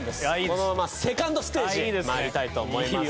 このままセカンドステージへ参りたいと思います。